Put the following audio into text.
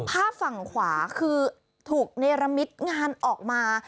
ภาพฝั่งขวาคือถูกเนรมิตงานออกมา